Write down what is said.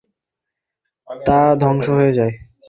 তিনি যে মহান নৌবহর প্রস্তুত করেছিলেন তা ধ্বংস হয়ে যায়।